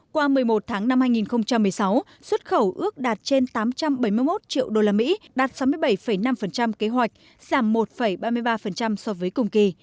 qua một mươi một tháng năm hai nghìn một mươi sáu xuất khẩu ước đạt trên tám trăm bảy mươi một triệu usd đạt sáu mươi bảy năm kế hoạch giảm một ba mươi ba so với cùng kỳ